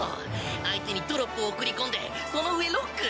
相手にドロップを送り込んでそのうえロック。